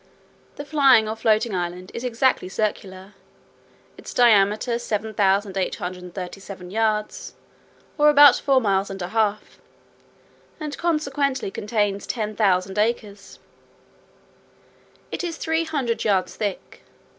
The flying or floating island is exactly circular, its diameter 7837 yards, or about four miles and a half, and consequently contains ten thousand acres. It is three hundred yards thick.